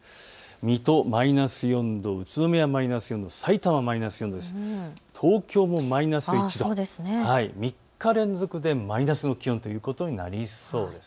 水戸マイナス４度、宇都宮マイナス４度、さいたまマイナス４度、東京もマイナス１度、３日連続でマイナスの気温ということになりそうです。